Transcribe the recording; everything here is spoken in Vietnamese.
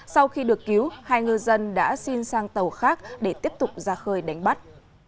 sau khi được cứu hai ngư dân đã xin sang tàu khác để tiếp tục ra khơi đánh bắt